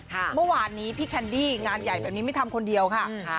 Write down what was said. เมื่อวานนี้พี่แคนดี้งานใหญ่แบบนี้ไม่ทำคนเดียวค่ะ